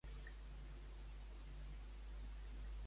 De la llista "cançons preferides" elimina'n "Boig per tu".